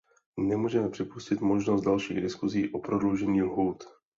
Nemůžeme připustit možnost dalších diskusí o prodloužení lhůt.